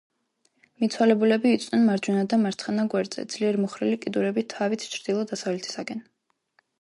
მიცვალებულები იწვნენ მარჯვენა ან მარცხენა გვერდზე, ძლიერ მოხრილი კიდურებით, თავით ჩრდილო-დასავლეთისაკენ.